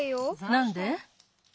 なんで？